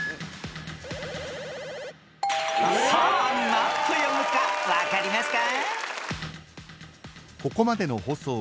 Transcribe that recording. ［何と読むか分かりますか？］